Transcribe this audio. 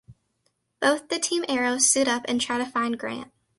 Both the Team Arrows suit up and try to find Grant.